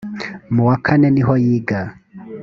mu wa kane niho yiga